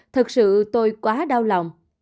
thật sự tôi quá đau lòng